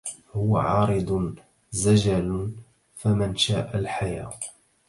هو عارض زجل فمن شاء الحيا